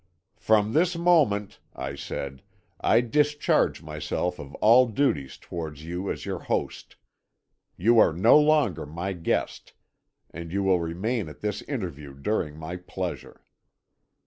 "'From this moment,' I said, 'I discharge myself of all duties towards you as your host. You are no longer my guest, and you will remain at this interview during my pleasure.'